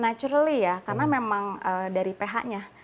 naturally ya karena memang dari ph nya